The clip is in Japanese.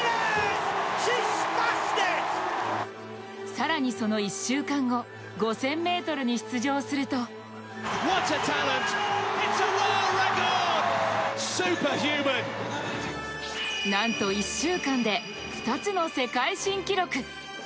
更にその１週間後、５０００ｍに出場するとなんと１週間で２つの世界新記録。